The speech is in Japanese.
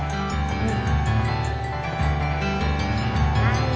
うん。